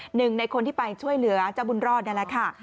หนึ่งในคนที่ไปช่วยเหลือเจ้าบุญรอดนี่แหละค่ะ